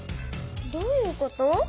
どういうこと？